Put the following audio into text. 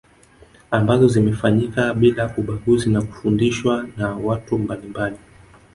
Ambazo zimefanyika bila ubaguzi na kufundishwa na watu mbalimbali